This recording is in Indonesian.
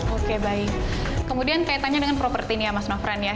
oke baik kemudian kaitannya dengan propertinya mas maffran ya